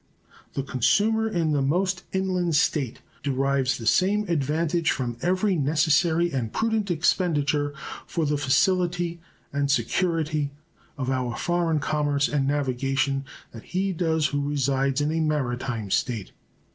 The consumer in the most inland State derives the same advantage from every necessary and prudent expenditure for the facility and security of our foreign commerce and navigation that he does who resides in a maritime State.